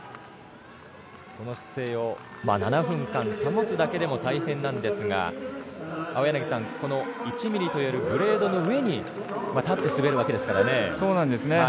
この姿勢を７分間保つだけでも大変なんですがこの１ｍというブレードの上に立って滑るわけですからね。